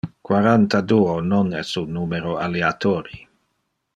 Quaranta-duo non es un numero aleatori.